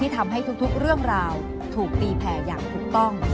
ทำให้ทุกเรื่องราวถูกตีแผ่อย่างถูกต้อง